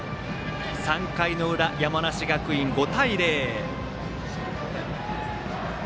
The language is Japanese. ３回の裏、山梨学院５対０。